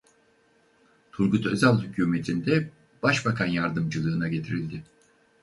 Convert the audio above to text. Turgut Özal hükûmetinde başbakan yardımcılığına getirildi.